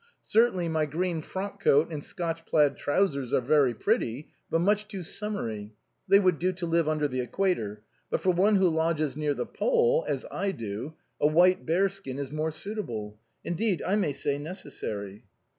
Certainly my green frock coat and Scotch plaid trousers are very pretty, but much too summery; they would do to live under the equator; but for one who lodges near the pole, as I do, a white bear skin is more suitable; indeed I may say necessary."